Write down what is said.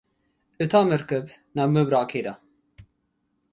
እታ መርከብ፡ ናብ ምብራቕ ከይዳ።